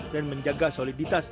dan menjaga soliditasnya